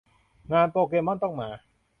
งานโปเกมอนต้องมา